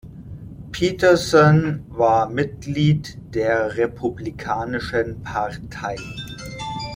Peterson war Mitglied der Republikanischen Partei.